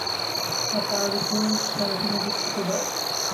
তা পায়ের উপর শাড়ি টেনে দিচ্ছ তো দাও।